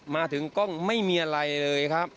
มาถึงกล้องไม่มีอะไรเลยครับ